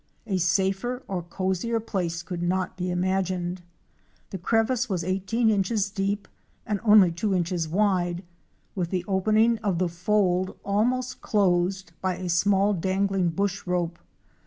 A safer or cosier place could not be imagined. The crevice was eighteen inches deep and only two inches wide, with the opening of the fold almost closed by a small dangling bush rope.